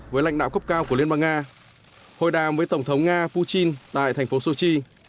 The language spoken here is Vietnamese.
với lãnh đạo cấp cao của liên bang nga hội đàm với tổng thống nga putin tại thành phố sochi